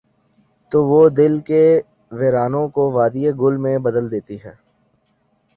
تو وہ دل کے ویرانوں کو وادیٔ گل میں بدل دیتی ہے۔